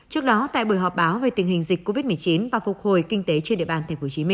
trước đó tại buổi họp báo về tình hình dịch covid một mươi chín và phục hồi kinh tế trên địa bàn tp hcm